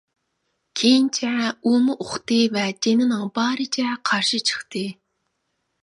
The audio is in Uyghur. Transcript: كېيىنچە ئۇمۇ ئۇقتى ۋە جېنىنىڭ بارىچە قارشى چىقتى.